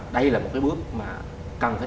đây là một cái bước mà cần phải